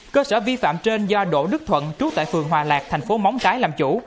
cơ sở vi phạm trên do đỗ đức thuận trú tại phường hòa lạc thành phố móng cái làm chủ